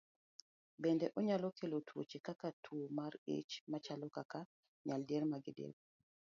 Bende onyalo kelo tuoche kaka tuwo mar ich machalo kaka nyaldiema gi diep.